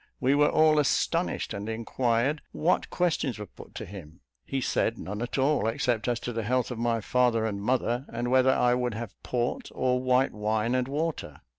We were all astonished, and inquired what questions were put to him; he said, "None at all, except as to the health of my father and mother; and whether I would have port or white wine and water.